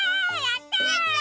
やった！